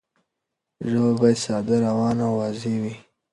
ژبه باید ساده، روانه او واضح وي.